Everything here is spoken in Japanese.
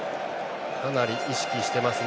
かなり意識してますね。